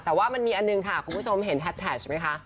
แต่ว่ามันมีอันหนึ่งค่ะคุณผู้ชมเห็นแฮดแท็กไหมคะ